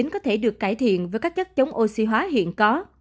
có thể được cải thiện với các chất chống oxy hóa hiện có